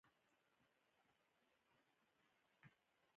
نومونه پښتانۀ لــري فکـــــــــــرونه ټول پردي دي